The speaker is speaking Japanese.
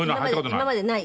今までない？